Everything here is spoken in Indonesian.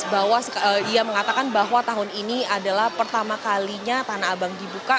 bahwa ia mengatakan bahwa tahun ini adalah pertama kalinya tanah abang dibuka